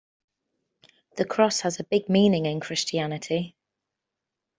The cross has a big meaning in Christianity.